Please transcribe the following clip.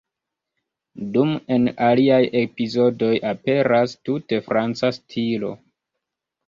Dum en aliaj epizodoj aperas tute franca stilo.